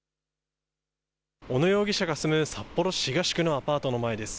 小野容疑者が住む札幌市東区のアパートの前です。